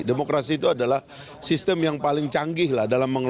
demokrasi itu adalah sistem yang paling canggih dalam mengelola pemerintahan